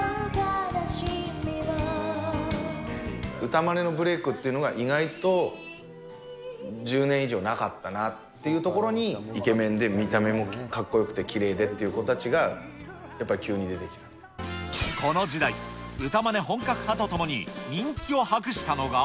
歌まねのブレークっていうのが、意外と１０年以上なかったなっていうところに、イケメンで見た目も格好よくて、きれいでっていう子たちが、この時代、歌まね本格派とともに人気を博したのが。